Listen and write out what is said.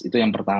itu yang pertama